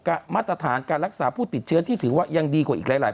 มาตรฐานการรักษาผู้ติดเชื้อที่ถือว่ายังดีกว่าอีกหลาย